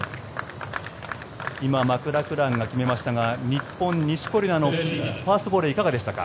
今、マクラクランが決めましたが日本、錦織のファーストボールはいかがでしたか？